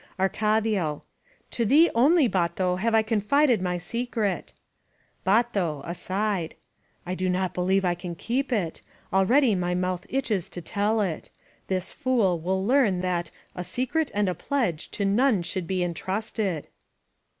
Arcadio: *'To thee only, Bato, have I confided my secret." Bato (aside) : "I do not believe I can keep it! Al ready my mouth itches to tell it. This fool will learn that ^a secret and a pledge to none should be en trusted.'